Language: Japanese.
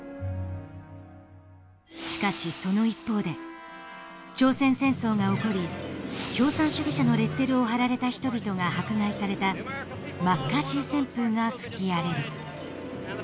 しかしその一方で朝鮮戦争が起こり共産主義者のレッテルを貼られた人々が迫害されたマッカーシー旋風が吹き荒れる。